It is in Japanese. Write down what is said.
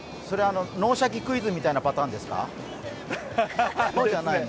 「脳シャキクイズ」みたいなパターンですか。